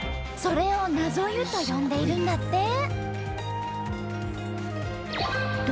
それを「なぞ湯」と呼んでいるんだって。